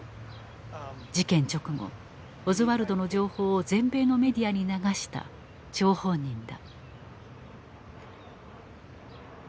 事件直後オズワルドの情報を全米のメディアに流した張本人だ。